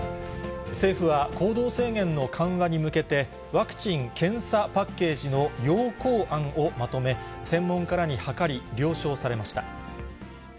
政府は行動制限の緩和に向けて、ワクチン・検査パッケージの要綱案をまとめ、専門家らに諮り、了承されました。